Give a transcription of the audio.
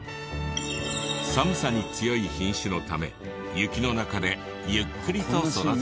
寒さに強い品種のため雪の中でゆっくりと育てるんだとか。